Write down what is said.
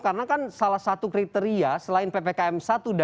karena kan salah satu kriteria selain ppkm satu